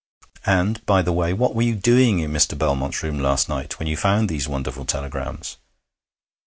And, by the way, what were you doing in Mr. Belmont's room last night, when you found these wonderful telegrams?'